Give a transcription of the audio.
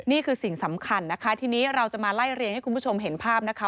นี่คือสิ่งสำคัญนะคะทีนี้เราจะมาไล่เรียงให้คุณผู้ชมเห็นภาพนะคะ